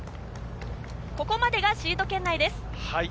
ここまでがシード権内です。